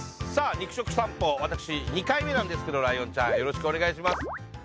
肉食さんぽ私２回目なんですけどライオンちゃんよろしくお願いします。